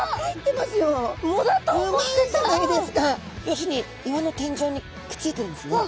要するに岩の天井にくっついてるんですね。